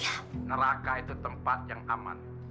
kamu bangun dia ke tempat yang aman